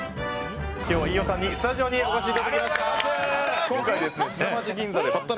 今日は飯尾さんにスタジオにお越しいただきました。